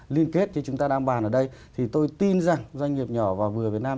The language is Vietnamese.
liên kết như chúng ta đang bàn ở đây thì tôi tin rằng doanh nghiệp nhỏ và vừa việt nam